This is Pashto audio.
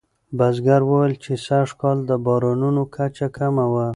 بزګر وویل چې سږکال د بارانونو کچه کمه وه.